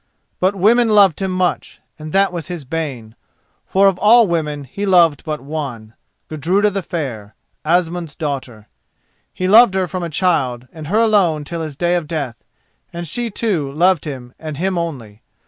But women loved him much, and that was his bane—for of all women he loved but one, Gudruda the Fair, Asmund's daughter. He loved her from a child, and her alone till his day of death, and she, too, loved him and him only.